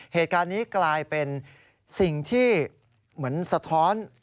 เหตุการณ์นี้กลายเป็นสิ่งที่เหมือนสะท้อน